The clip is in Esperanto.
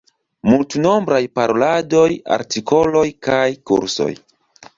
Multnombraj paroladoj, artikoloj kaj kursoj.